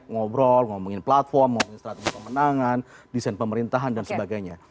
ngobrol ngomongin platform ngomongin strategi pemenangan desain pemerintahan dan sebagainya